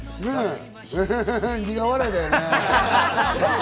苦笑いだよね。